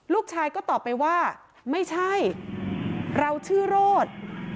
ลูกชายก็ตอบไปว่าไม่ใช่เราชื่อโรธ